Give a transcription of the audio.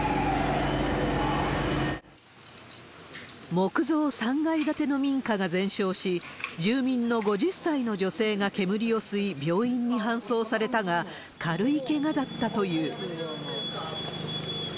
木造３階建ての民家が全焼し、住民の５０歳の女性が煙を吸い、病院に搬送されたが、軽いけがだったという。